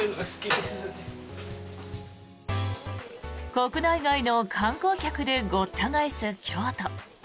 国内外の観光客でごった返す京都。